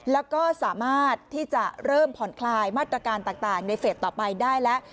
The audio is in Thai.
แล้วก็สามารถที่จะเริ่มผ่อนคลายมาตรการต่างในเฟสต่อไปได้แล้ว